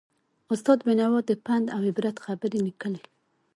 استاد بینوا د پند او عبرت خبرې لیکلې.